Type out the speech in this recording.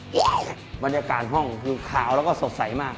อุ๊ยบรรยากาศคือขาวและก็สดใสมาก